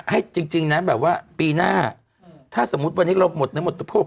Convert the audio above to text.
ให้จริงนะแบบว่าปีหน้าถ้าสมมุติวันนี้เราหมดเนื้อหมดโภค